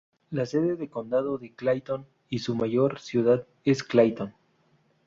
La sede del condado es Clayton, y su mayor ciudad es Clayton.